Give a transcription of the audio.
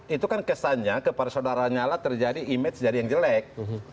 itu kan kesannya kepada saudara nyala terjadi image jadi yang jelek